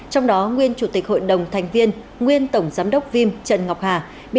trong đó nguyên chủ tịch hội đồng thành viên nguyên tổng giám đốc vim trần ngọc hà